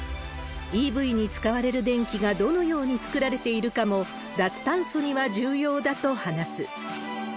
ＥＶに使われる電気がどのように造られているかも、脱炭素には重要だと話す。